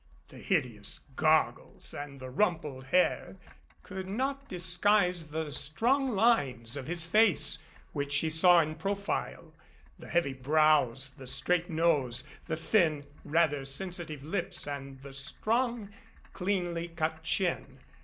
The hideous goggles and the rumpled 13 MADCAP hair could not disguise the strong lines of his face which she saw in profile the heavy brows, the straight nose, the thin, rather sensitive lips and the strong, cleanly cut chin.